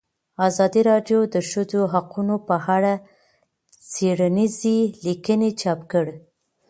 ازادي راډیو د د ښځو حقونه په اړه څېړنیزې لیکنې چاپ کړي.